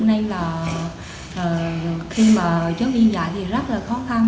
nên là khi mà chúng mình dạy thì rất là khó khăn